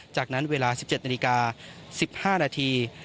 จากนั้นเวลา๑๗นาฬิกา๑๕นาที